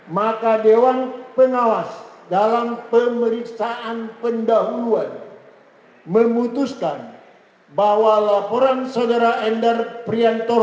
maka dewan pengawas dalam pemeriksaan pendahuluan memutuskan bahwa laporan saudara endar priantoro